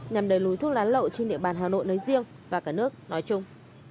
nhằm đẩy lùi thuốc lá lậu trên địa bàn hà nội nói riêng và cả nước nói chung